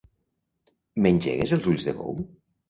M'engegues els ulls de bou?